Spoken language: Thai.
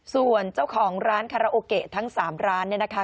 ส่วนเจ้าของร้านคาราโอเกะทั้ง๓ร้านเนี่ยนะคะ